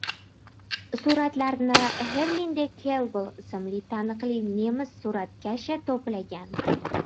Suratlarni Xerlinde Kelbl ismli taniqli nemis suratkashi to‘plagan